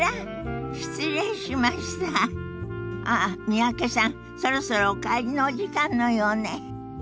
三宅さんそろそろお帰りのお時間のようね。